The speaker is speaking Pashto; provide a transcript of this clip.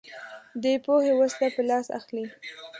دی پوهې وسله په لاس اخلي